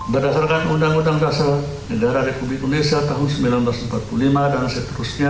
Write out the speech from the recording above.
berdasarkan undang undang dasar negara republik indonesia tahun seribu sembilan ratus empat puluh lima dan seterusnya